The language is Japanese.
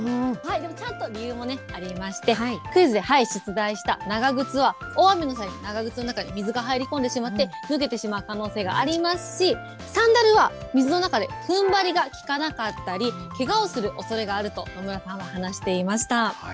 でもちゃんと理由もね、ありまして、クイズで出題した長靴は大雨の際、長靴の中に水が入り込んでしまって、脱げてしまう可能性がありますし、サンダルは、水の中でふんばりが効かなかったり、けがをするおそれがあると野村さんは話していました。